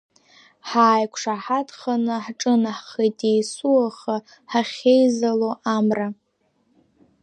Ҳааиқәшаҳаҭханы ҳҿынаҳхеит есуаха ҳахьеизало Амра.